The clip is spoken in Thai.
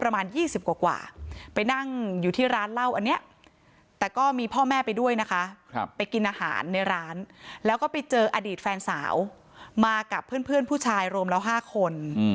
มากับเพื่อนผู้ชายรวมละ๕คน